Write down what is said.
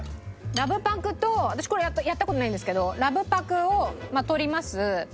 ラブパクと私これやった事ないんですけどラブパクを取ります。